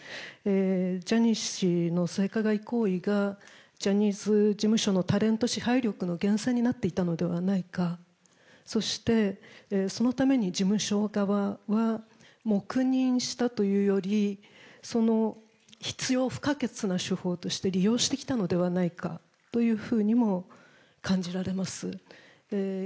ジャニー氏の性加害行為が、ジャニーズ事務所のタレント支配力のげんせんになっていたのではないか、そして、そのために事務所側は、黙認したというよりその必要不可欠な手法として利用してきたのではないかというふうにも感じられます。